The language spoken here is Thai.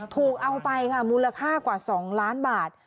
ถูกเอาไปค่ะมูลค่ากว่า๒ล้านบาท